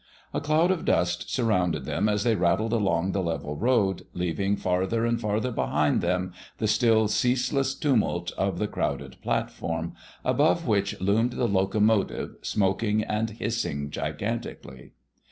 A cloud of dust surrounded them as they rattled along the level road, leaving farther and farther behind them the still ceaseless tumult of the crowded platform, above which loomed the locomotive, smoking and hissing gigantically.